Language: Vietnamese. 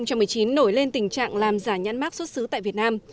năm hai nghìn một mươi chín nổi lên tình trạng làm giả nhãn mát xuất xứ tại việt nam